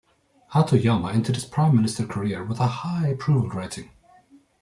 Hatoyama entered his prime minister career with a high approval rating.